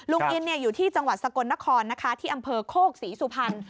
อินอยู่ที่จังหวัดสกลนครนะคะที่อำเภอโคกศรีสุพรรณ